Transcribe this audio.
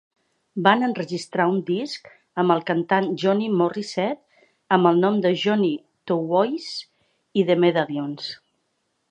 Van enregistrar un disc amb el cantant Johnny Morrisette, amb el nom de Johnny Twovoice i The Medallions.